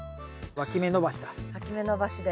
わき芽伸ばしで。